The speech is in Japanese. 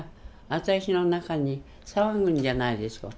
私の中に騒ぐんじゃないでしょうか。